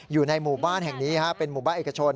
อยู่ในหมู่บ้านแห่งนี้เป็นหมู่บ้านเอกชน